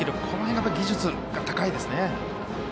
この辺の技術が高いですね。